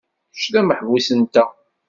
Kečč d ameḥbus-nteɣ.